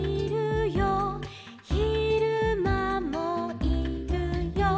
「ひるまもいるよ」